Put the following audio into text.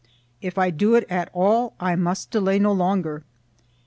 If I do it at all I must delay no longer.